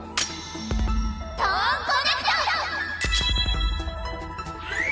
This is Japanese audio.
トーンコネクト！